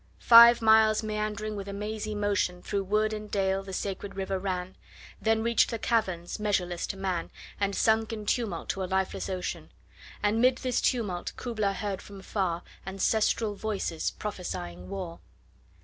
Five miles meandering with a mazy motion 25 Through wood and dale the sacred river ran, Then reach'd the caverns measureless to man, And sank in tumult to a lifeless ocean: And 'mid this tumult Kubla heard from far Ancestral voices prophesying war!